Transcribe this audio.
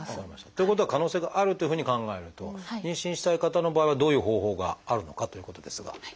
ということは可能性があるというふうに考えると妊娠したい方の場合はどういう方法があるのかということですが。